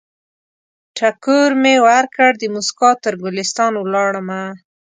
ټکور مې ورکړ، دموسکا تر ګلستان ولاړمه